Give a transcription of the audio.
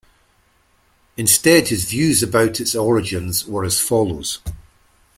Instead his views about its origins were as follows.